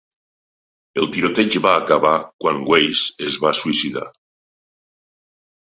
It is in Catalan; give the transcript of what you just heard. El tiroteig va acabar quan Weise es va suïcidar.